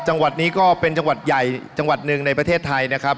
จังหวัดนี้ก็เป็นจังหวัดใหญ่จังหวัดหนึ่งในประเทศไทยนะครับ